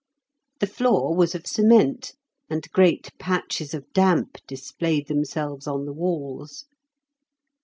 The floor was of cement, and great patches of damp displayed themselves on the walls.